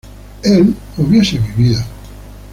él hubiese vivido